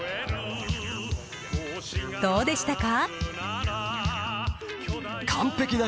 どうでしたか？